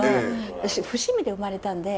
私伏見で生まれたんで。